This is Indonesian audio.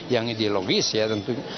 yang ideologis ya tentunya